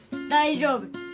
大丈夫。